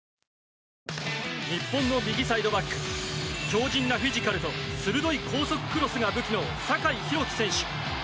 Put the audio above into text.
日本の右サイドバック強じんなフィジカルと鋭い高速クロスが武器の酒井宏樹選手。